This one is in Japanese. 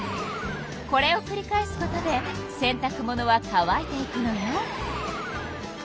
これをくり返すことで洗たく物は乾いていくのよ。